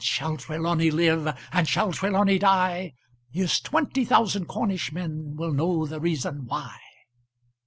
And shall Trelawny live? Or shall Trelawny die? Here's twenty thousand Cornish men Will know the reason why!